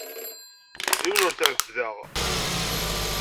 Yiwen ur t-ɛebbdeɣ.